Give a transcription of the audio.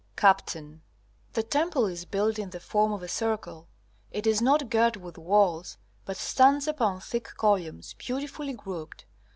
Capt. The temple is built in the form of a circle; it is not girt with walls, but stands upon thick columns, beautifully grouped.